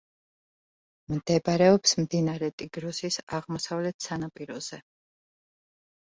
მდებარეობს მდინარე ტიგროსის აღმოსავლეთ სანაპიროზე.